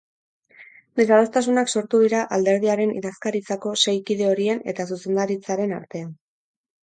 Desadostasunak sortu dira alderdiaren idazkaritzako sei kide horien eta zuzendaritzaren artean.